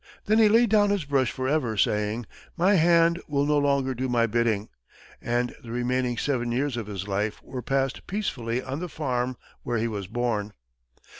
Then he laid down his brush forever, saying, "My hand will no longer do my bidding," and the remaining seven years of his life were passed peacefully on the farm where he was born.